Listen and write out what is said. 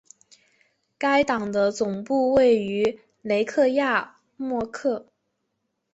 该党的总部位于雷克雅未克。